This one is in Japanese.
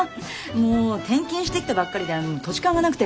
もう転勤してきたばっかりで土地勘がなくて。